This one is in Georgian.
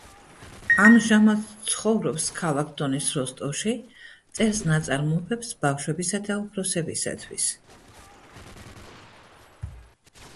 ამჟამად ცხოვრობს ქალაქ დონის როსტოვში, წერს ნაწარმოებებს ბავშვებისა და უფროსებისათვის.